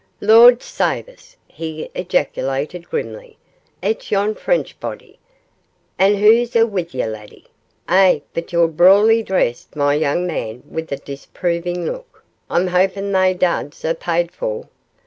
'Lord save us!' he ejaculated, grimly, 'it's yon French body. An' hoo's a' wi' ye, laddie? Eh, but ye're brawly dressed, my young man,' with a disproving look; 'I'm hopin' they duds are paid for.